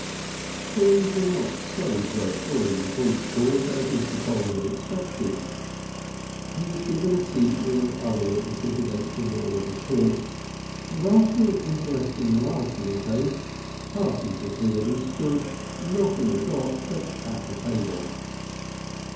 Things were not so dreadful in the police court as Mr. Polly had expected. He was given a seat with other witnesses against the wall of the court, and after an interesting larceny case Parsons appeared and stood, not in the dock, but at the table.